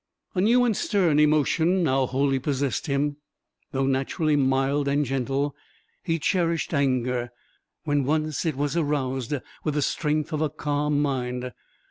A new and stern emotion now wholly possessed him; though naturally mild and gentle, he cherished anger, when once it was aroused, with the strength of a calm mind.